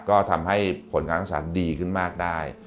ก็ทำให้ผลการศึกษาดีขึ้นมากได้